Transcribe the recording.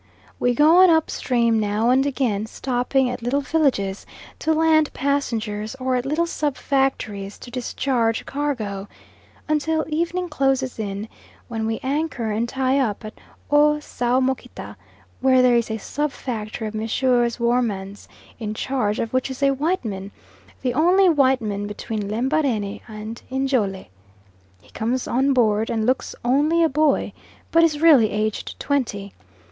We go on up stream; now and again stopping at little villages to land passengers or at little sub factories to discharge cargo, until evening closes in, when we anchor and tie up at O'Saomokita, where there is a sub factory of Messrs. Woermann's, in charge of which is a white man, the only white man between Lembarene and Njole. He comes on board and looks only a boy, but is really aged twenty.